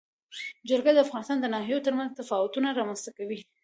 جلګه د افغانستان د ناحیو ترمنځ تفاوتونه رامنځ ته کوي.